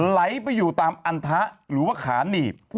ไหลไปอยู่ตามอันทะหรือว่าขาหนีบ